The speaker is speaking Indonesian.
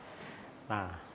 yang ada di pacitan